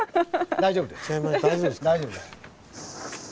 大丈夫ですか？